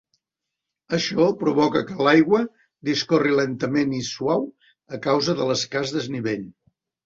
Això provoca que l'aigua discorri lentament i suau a causa de l'escàs desnivell.